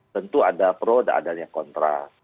tentu ada pro dan ada yang kontra